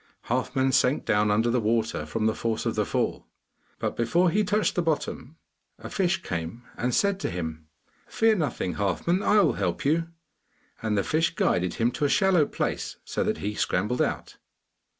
Halfman sank down under the water from the force of the fall, but before he touched the bottom a fish came and said to him, 'Fear nothing, Halfman; I will help you.' And the fish guided him to a shallow place, so that he scrambled out.